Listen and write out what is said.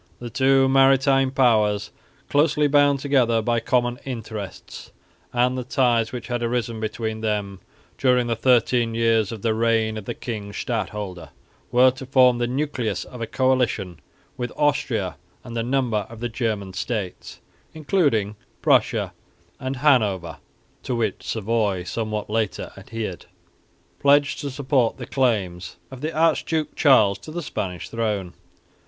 The two maritime powers, closely bound together by common interests, and the ties which had arisen between them during the thirteen years of the reign of the king stadholder, were to form the nucleus of a coalition with Austria and a number of the German states, including Prussia and Hanover (to which Savoy somewhat later adhered), pledged to support the claims of the Archduke Charles to the Spanish throne.